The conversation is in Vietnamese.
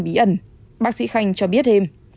bí ẩn bác sĩ khanh cho biết thêm